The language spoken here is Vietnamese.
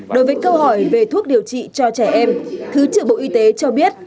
đối với câu hỏi về thuốc điều trị cho trẻ em thứ trưởng bộ y tế cho biết